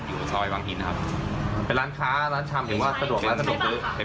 อยู่ซอยวังหินครับเป็นร้านค้าร้านชำคิดว่าสะดวกแล้วสมมุติซื้อ